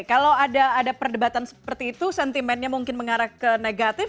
kalau ada perdebatan seperti itu sentimennya mungkin mengarah ke negatif